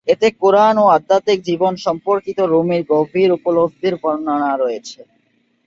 এতে কুরআন ও আধ্যাত্মিক জীবন সম্পর্কিত রুমির গভীর উপলব্ধির বর্ণনা রয়েছে।